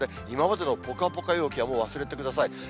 今までのぽかぽか陽気はもう忘れてください。